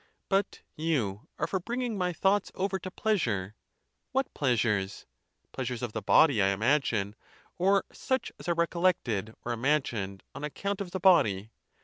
But you are for bringing my thoughts over to pleasure. 108 THE TUSCULAN DISPUTATIONS. What pleasures? Pleasures of the body, I imagine, or such as are recollected or imagined on account of the body.